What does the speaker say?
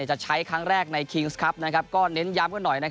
จะใช้ครั้งแรกในคิงส์ครับก็เน้นย้ำกันหน่อย